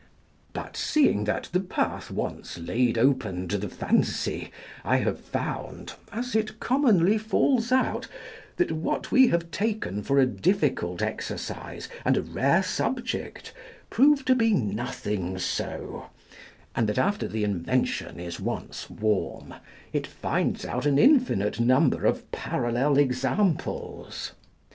But seeing that the path once laid open to the fancy, I have found, as it commonly falls out, that what we have taken for a difficult exercise and a rare subject, prove to be nothing so, and that after the invention is once warm, it finds out an infinite number of parallel examples.